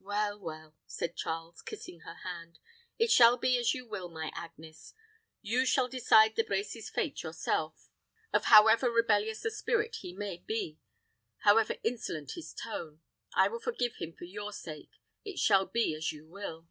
"Well, well," said Charles, kissing her hand, "it shall be as you will, my Agnes. You shall decide De Brecy's fate yourself, of however rebellious a spirit he may be however insolent his tone. I will forgive him for your sake. It shall be as you will."